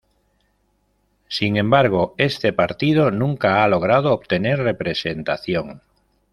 Sin embargo este partido nunca ha logrado obtener representación.